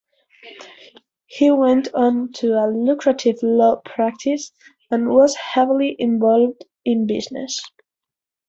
He went on to a lucrative law practice and was heavily involved in business.